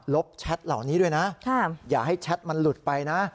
บแชทเหล่านี้ด้วยนะอย่าให้แชทมันหลุดไปนะ